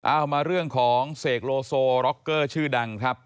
เอามาเรื่องของเสกโลโซร็อกเกอร์ชื่อดังครับ